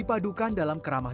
layanan kelas jaringan